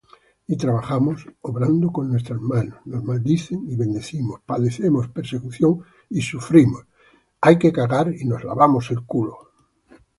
Y trabajamos, obrando con nuestras manos: nos maldicen, y bendecimos: padecemos persecución, y sufrimos: